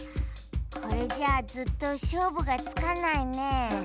これじゃあずっとしょうぶがつかないねえ。